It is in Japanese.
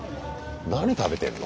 何食べてんの？